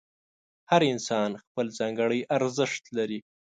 هر انسان خپل ځانګړی ارزښت لري.